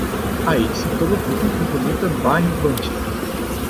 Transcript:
Aici sectorul public împrumută bani băncilor.